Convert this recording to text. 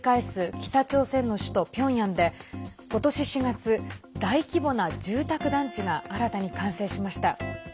北朝鮮の首都ピョンヤンで今年４月、大規模な住宅団地が新たに完成しました。